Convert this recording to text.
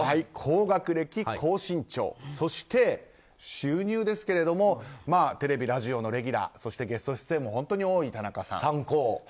高学歴、高身長そして、収入ですけどもテレビ、ラジオのレギュラーそしてゲスト出演も本当に多い田中さん。